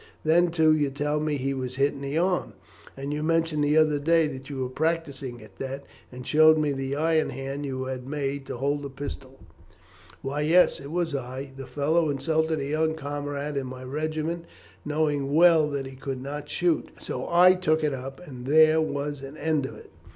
Then, too, you tell me he was hit in the arm, and you mentioned the other day that you were practising at that, and showed me the iron hand you had had made to hold a pistol." "Well, yes, it was I. The fellow insulted a young comrade in my regiment, knowing well that he could not shoot; so I took it up, and there was an end of it."